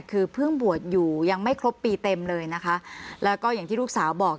คือเพิ่งบวชอยู่ยังไม่ครบปีเต็มเลยนะคะแล้วก็อย่างที่ลูกสาวบอก